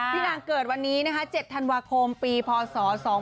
นางเกิดวันนี้นะคะ๗ธันวาคมปีพศ๒๕๖